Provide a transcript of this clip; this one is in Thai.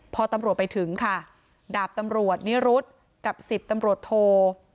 พอตำรวจไปถึงค่ะดาบตำรวจนิรุธกับ๑๐ตำรวจโท